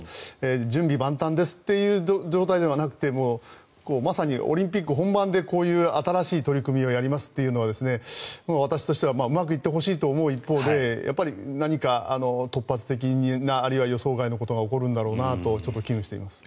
準備万端ですという状態ではなくてまさにオリンピック本番でこういう新しい取り組みをやりますというのは私としてはうまくいってほしいと思う一方で何か、突発的なあるいは予想外のことが起きるんだろうなとちょっと危惧しています。